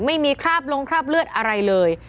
ไม่มีคราบลงคราบเลือดอะไรเลย